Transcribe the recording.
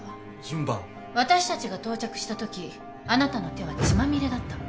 私たちが到着したときあなたの手は血まみれだった。